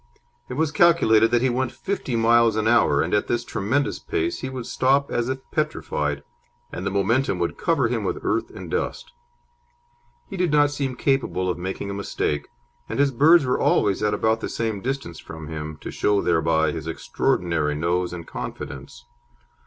It was calculated that he went fifty miles an hour, and at this tremendous pace he would stop as if petrified, and the momentum would cover him with earth and dust. He did not seem capable of making a mistake, and his birds were always at about the same distance from him, to show thereby his extraordinary nose and confidence.